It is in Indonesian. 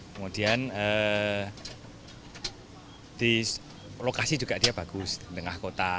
kemudian di lokasi juga dia bagus di tengah kota